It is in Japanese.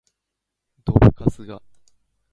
どぶカスが